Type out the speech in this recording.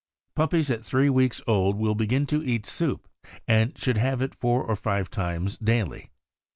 Puppies at three weeks old will begin to eat soup, and should have it four or five times daily.